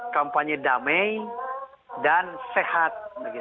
kampanye damai dan sehat